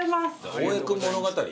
『大江君物語』